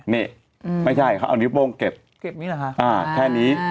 นี่ไม่ใช่เอานิ้วโป้งเก็บแค่นี้